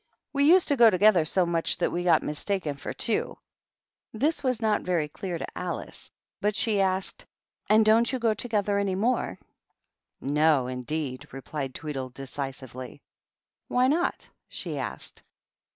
We used to go together so much that we got mis taken for two." This was not very clear to Alice, but she asked, " And don't you go together any more ?" 276 THE TWEEDLES. " No, indeed," replied Tweedle, decisively. " Why not r she a^ked.